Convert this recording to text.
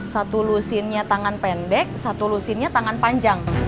satu lusinnya tangan pendek satu lusinnya tangan panjang